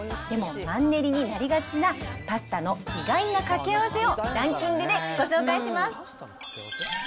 でもマンネリになりがちな、パスタの意外な掛け合わせをランキングでご紹介します。